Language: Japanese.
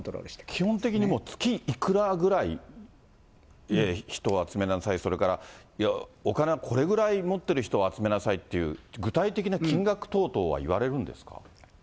基本的にもう月いくらぐらい、人を集めなさい、それからお金はこれぐらい持ってる人を集めなさいっていう、具体的な金額等々は言われるんですか。